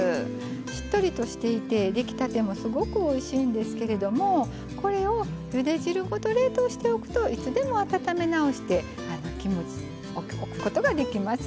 しっとりとしていて出来たてもすごくおいしいんですけれどもこれをゆで汁ごと冷凍しておくといつでも温め直して食べることができます。